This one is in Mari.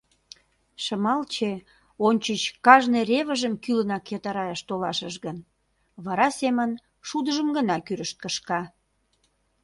Шымалче ончыч кажне ревыжым кӱлынак йытыраяш толашыш гын, вара семын шудыжым гына кӱрышт кышка.